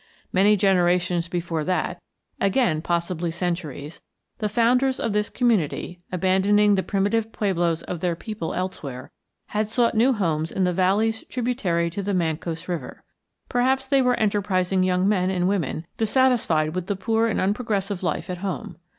Many generations before that, again possibly centuries, the founders of this community, abandoning the primitive pueblos of their people elsewhere, had sought new homes in the valleys tributary to the Mancos River. Perhaps they were enterprising young men and women dissatisfied with the poor and unprogressive life at home.